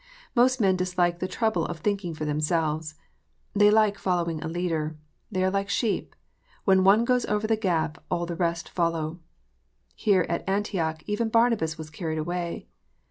Most men dislike the trouble of thinking for themselves. They like following a leader. They are like sheep, when one goes over the gap all the rest follow. Here at Antioch even Barnabas was carried away.